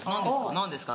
何ですか？